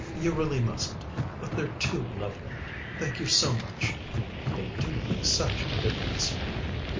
You really mustn't but they're too lovely. Thank you so much. They do make such a difference!"